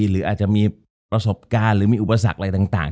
หรืออาจจะมีประสบการณ์หรือมีอุปสรรคอะไรต่าง